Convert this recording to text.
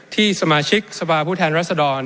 ที่สมาชิกสภาพผู้แทนรัศดร